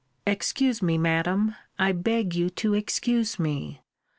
Excuse me, Madam! I beg you to excuse me.